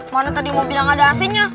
mana tadi mau bilang ada asingnya